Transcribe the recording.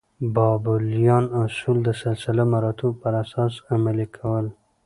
بابلیان اصول د سلسله مراتبو پر اساس عملي کول.